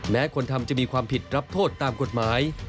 คนทำจะมีความผิดรับโทษตามกฎหมาย